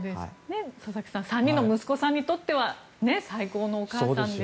佐々木さん３人の息子さんにとっては最高のお母さんですし。